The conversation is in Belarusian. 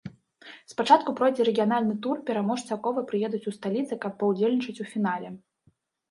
Спачатку пройдзе рэгіянальны тур, пераможцы якога прыедуць у сталіцы, каб паўдзельнічаюць у фінале.